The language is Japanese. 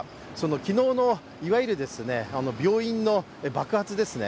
昨日のいわゆる病院の爆発ですね。